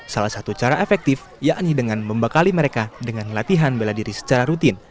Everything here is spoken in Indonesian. salah satu cara efektif yakni dengan membekali mereka dengan latihan bela diri secara rutin